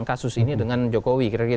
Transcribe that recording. kasus ini dengan jokowi